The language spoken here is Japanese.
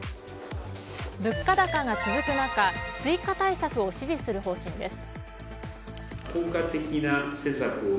物価高が続く中追加対策を支持する方針です。